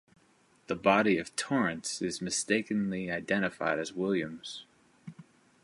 The body of Torrance is mistakenly identified as Williams.